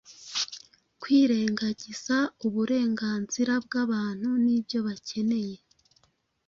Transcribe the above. kwirengagiza uburenganzira bw’abantu n’ibyo bakeneye.